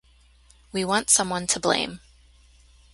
We want someone to blame.